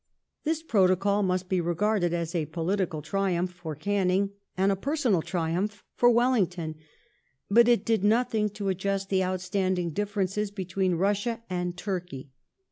This Protocol must be regarded as a political triumph for Canning and a personal triumph for Wellington, but it did no thing to adjust the outstanding differences between Russia and Turkey.